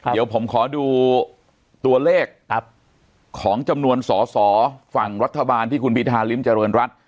เดี๋ยวผมขอดูตัวเลขของจำนวนสอสอฝั่งรัฐบาลที่คุณพิธาริมเจริญรัฐ